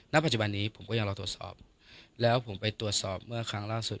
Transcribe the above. ณปัจจุบันนี้ผมก็ยังรอตรวจสอบแล้วผมไปตรวจสอบเมื่อครั้งล่าสุด